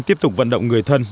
tiếp tục vận động người thân